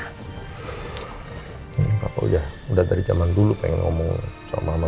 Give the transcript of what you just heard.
bapak udah dari zaman dulu pengen ngomong sama mama